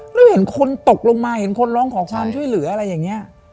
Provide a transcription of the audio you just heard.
แล้วเห็นคนตกลงมาเห็นคนร้องขอความช่วยเหลืออะไรอย่างนี้